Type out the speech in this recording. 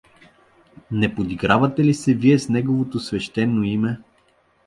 Не подигравате ли се вие с неговото свещено име?